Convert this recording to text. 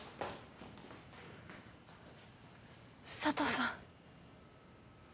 佐都さん。